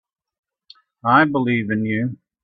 I believe in you.